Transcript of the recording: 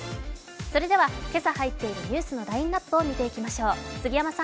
それでは、今朝入っているニュースのラインナップをチェックしていきましょう。